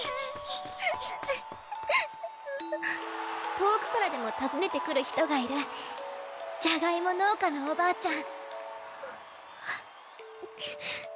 遠くからでも訪ねてくる人がいるジャガイモ農家のおばあちゃん。